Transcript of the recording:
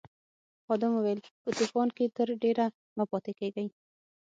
خادم وویل په طوفان کې تر ډېره مه پاتې کیږئ.